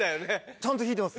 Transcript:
ちゃんと弾いてます。